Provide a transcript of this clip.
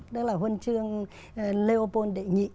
đó là huân chương leopold đệ nhị